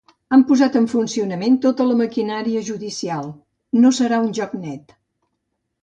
Han posat en funcionament tota la maquinària judicial, no serà un joc net.